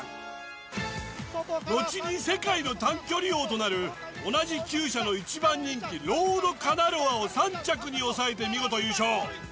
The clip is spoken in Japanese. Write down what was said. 後に世界の短距離王となる同じ厩舎の一番人気ロードカナロアを３着に抑えて見事優勝。